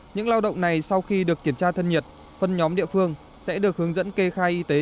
những lao động này sau khi được kiểm tra thân nhiệt phân nhóm địa phương sẽ được hướng dẫn kê khai y tế